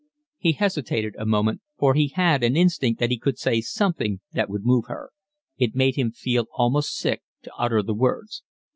He hesitated a moment, for he had an instinct that he could say something that would move her. It made him feel almost sick to utter the words.